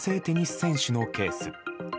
テニス選手のケース。